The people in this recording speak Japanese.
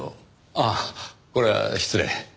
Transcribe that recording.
あっこれは失礼。